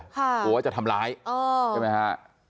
กลัวว่าจะทำร้ายใช่ไหมฮะ